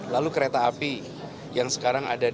lalu kereta api yang sekarang ada di